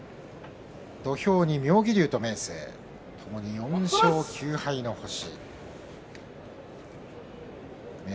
土俵に、妙義龍と明生ともに４勝９敗の星。